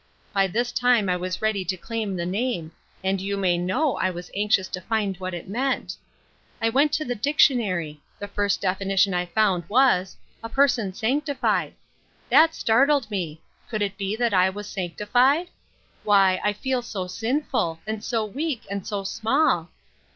By this time I was ready to claim the name, and you may know I was anx ious to find what it meant. I went to the dic tionary ; the first definition I found was, ' A per son sanctified.' That startled me. Could it be that I was sanctified? Why, I feel so sinful, and so weak, and so small